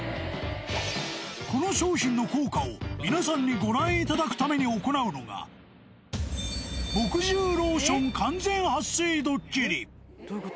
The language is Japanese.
この商品の効果を皆さんにご覧いただくために行うのが、墨汁ローション完全撥水ドッキリ。